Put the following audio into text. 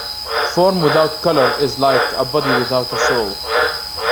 Form without colour is like a body without a soul.